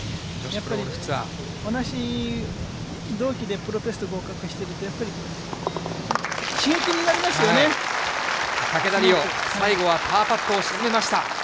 やっぱり、同じ同期でプロテスト合格してると、やっぱり刺激竹田麗央、最後はパーパットを沈めました。